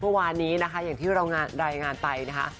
เมื่อวานนี้นะคะอย่างที่เรารายงานไปนะคะ